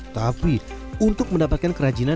tapi untuk mendapatkan kerajinan